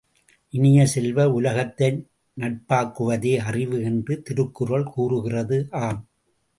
இனிய செல்வ, உலகத்தை நட்பாக்குவதே அறிவு என்று திருக்குறள் கூறுகிறது ஆம்!